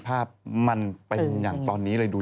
ภาพมันตอนนี้เลยดูอยู่